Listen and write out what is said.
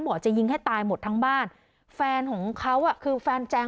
จะยิงให้ตายหมดทั้งบ้านแฟนของเขาอ่ะคือแฟนแจง